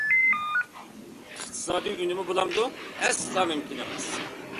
ئىقتىسادىي ئۈنۈمى بولامدۇ؟ ئەسلا مۇمكىن ئەمەس.